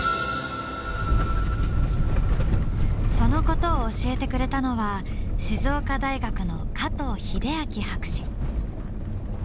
そのことを教えてくれたのは静岡大学の加藤英明博士。